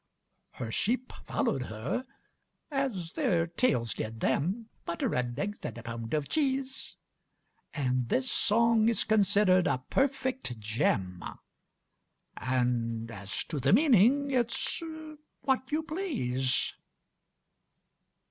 Her sheep followŌĆÖd her, as their tails did them, (Butter and eggs and a pound of cheese) And this song is considerŌĆÖd a perfect gem; And as to the meaning, it ŌĆÖs what you please.